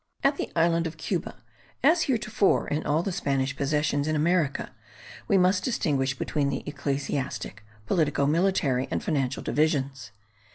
At the island of Cuba, as heretofore in all the Spanish possessions in America, we must distinguish between the ecclesiastic, politico military, and financial divisions.